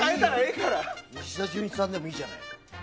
石田純一さんでもいいじゃない。